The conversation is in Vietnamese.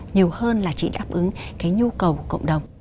nhiều hơn là chỉ đáp ứng cái nhu cầu của cộng đồng